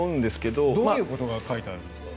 どういうことが書いてあるんですか。